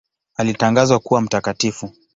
Alitangazwa kuwa mtakatifu.